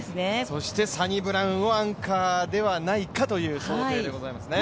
そしてサニブラウンがアンカーではないかという想定ですね。